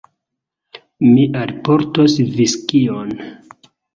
Mi alportos viskion.